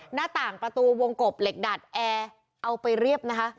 หน้าต่างประตูวงกบเหล็กดัดแอร์เอาไปเรียบนะคะ